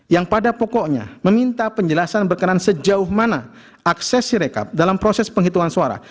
yang pada pokoknya meminta penjelasan berkenan sejauh mana akses sirekap dalam proses penghitungan suara